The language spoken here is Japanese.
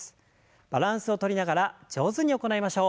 バランスをとりながら上手に行いましょう。